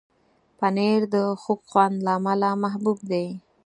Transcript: پنېر د خوږ خوند له امله محبوب دی.